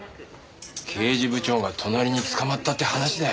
刑事部長が隣に捕まったって話だよ。